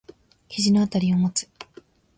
肘のあたりを持つ。